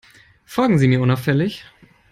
Folgen Sie mir unauffällig.